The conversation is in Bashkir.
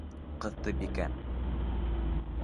Ҡыҫтыбикә!